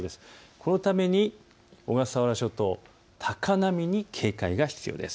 このために小笠原諸島、高波に警戒が必要です。